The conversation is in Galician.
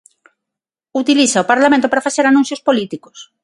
Utiliza o Parlamento para facer anuncios políticos.